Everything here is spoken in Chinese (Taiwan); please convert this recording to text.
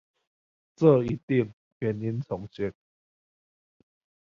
這一定原音重現